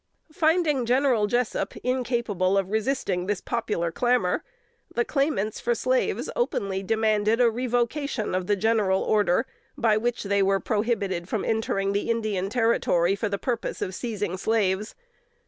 Finding General Jessup incapable of resisting the popular clamor, the claimants for slaves openly demanded a revocation of the General Order, by which they were prohibited from entering the Indian territory for the purpose of seizing slaves.